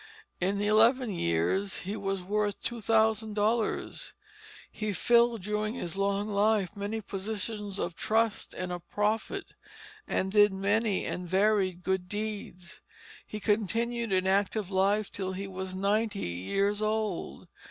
In eleven years he was worth two thousand dollars; he filled, during his long life, many, positions of trust and of profit, and did many and varied good deeds; he continued in active life till he was ninety years old.